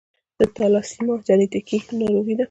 د تالاسیمیا جینیټیکي ناروغي ده.